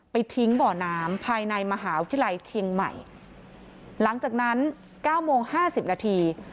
ทิ้งบ่อน้ำภายในมหาวิทยาลัยเชียงใหม่หลังจากนั้นเก้าโมงห้าสิบนาที